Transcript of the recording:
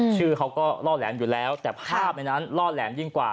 ชื่อเขาก็ล่อแหลมอยู่แล้วแต่ภาพในนั้นล่อแหลมยิ่งกว่า